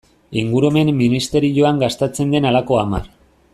Ingurumen ministerioan gastatzen den halako hamar.